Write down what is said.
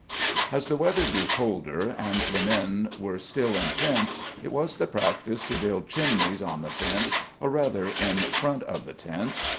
" As the weather grew colder and the men were still in tents it was the practice to build chimneys on the tents or rather in front of the tents.